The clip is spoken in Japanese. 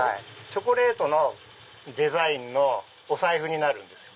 チョコレートのデザインのお財布になるんです。